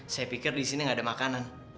saya pikir di sini nggak ada makanan